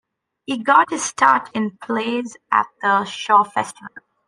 He got his start in plays at the Shaw Festival.